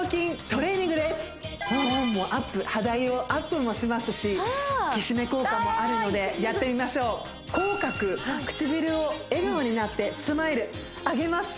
トーンもアップ肌色アップもしますし引き締め効果もあるのでやってみましょう口角唇を笑顔になってスマイル上げます！